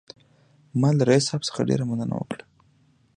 ما له رییس صاحب څخه ډېره مننه وکړه.